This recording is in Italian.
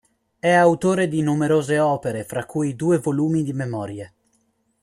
È autore di numerose opere, fra cui due volumi di memorie.